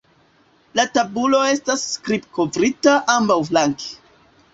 La tabulo estas skrib-kovrita ambaŭflanke.